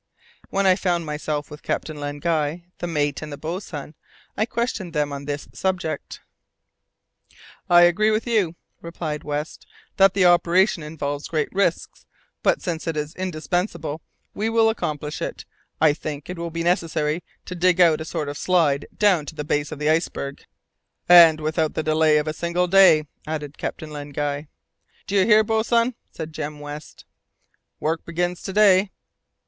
When I found myself with Captain Len Guy, the mate, and the boatswain, I questioned them on this subject. "I agree with you," replied West, "that the operation involves great risks, but since it is indispensable, we will accomplish it. I think it will be necessary to dig out a sort of slide down to the base of the iceberg." "And without the delay of a single day," added Captain Len Guy. "Do you hear, boatswain?" said Jem West. "Work begins to day."